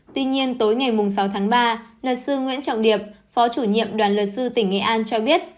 tuy nhiên tối ngày sáu tháng ba luật sư nguyễn trọng điệp phó chủ nhiệm đoàn luật sư tỉnh nghệ an cho biết